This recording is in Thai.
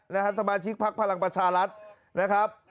นะครับสมายชิกภักดิ์พลังประชาลัทธุ์นะครับ